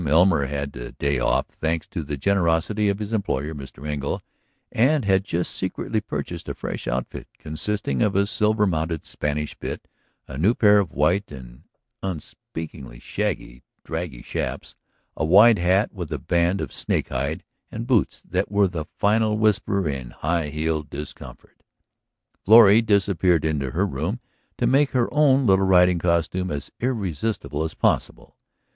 Elmer had a day off, thanks to the generosity of his employer, Mr. Engle, and had just secretly purchased a fresh outfit consisting of a silver mounted Spanish bit, a new pair of white and unspeakably shaggy, draggy chaps, a wide hat with a band of snake hide, and boots that were the final whisper in high heeled discomfort. Florrie disappeared into her room to make her own little riding costume as irresistible as possible.